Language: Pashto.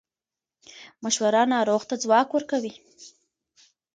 مشوره ناروغ ته ځواک ورکوي.